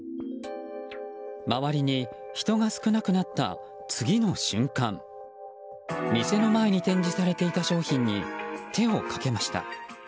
周りに人が少なくなった次の瞬間店の前に展示されていた商品に手をかけました。